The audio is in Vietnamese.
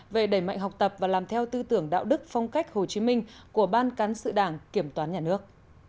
về đẩy mạnh học tập và làm theo tư tưởng đạo đức phong cách hồ chí minh của ban cán sự đảng kiểm toán nhà nước